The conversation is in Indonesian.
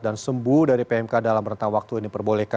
dan sembuh dari pmk dalam rentang waktu ini